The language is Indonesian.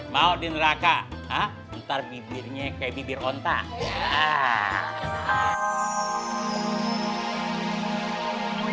bawa di neraka ha ntar bibirnya kayak bibir onta iya